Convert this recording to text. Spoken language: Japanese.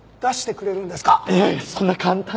いやいやそんな簡単には。